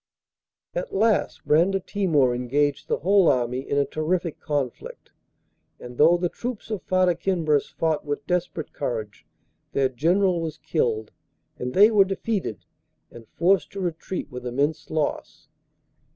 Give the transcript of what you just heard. At last Brandatimor engaged the whole army in a terrific conflict, and though the troops of Farda Kinbras fought with desperate courage, their general was killed, and they were defeated and forced to retreat with immense loss.